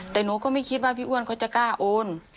แต่หนูก็ไม่คิดว่าพี่อ้วนเขาจะกล้าโอน